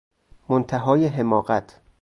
منتهای حماقت!